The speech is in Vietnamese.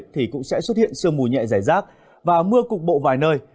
thì cũng sẽ xuất hiện sương mù nhẹ giải rác và mưa cục bộ vài nơi